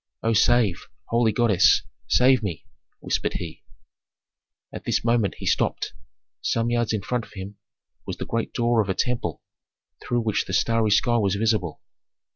"Oh, save, holy goddess, save me!" whispered he. At this moment he stopped: some yards in front of him was the great door of a temple through which the starry sky was visible.